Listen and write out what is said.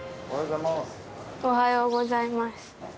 おはようございます。